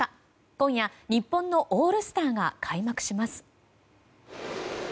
今夜、日本のオールスターが開幕します。